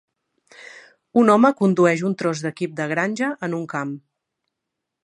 Un home condueix un tros d'equip de granja en un camp.